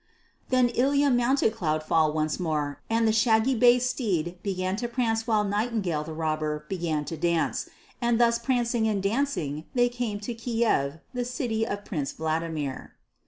Then Ilya mounted Cloudfall once more, and the shaggy bay steed began to prance while Nightingale the Robber began to dance; and thus prancing and dancing they came to Kiev, the city of Prince Vladimir.